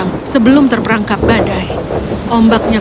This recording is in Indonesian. lepas bergotot perahu menerobos selama delapan jam